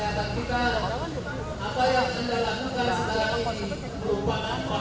apabila dpr menaik naikkan